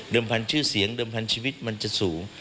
พันธุ์ชื่อเสียงเดิมพันชีวิตมันจะสูง